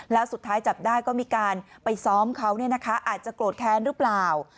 แล้วสุดท้ายจับได้ก็มีการไปซ้อมเขาอาจจะโกรธแค้นหรือเปล่า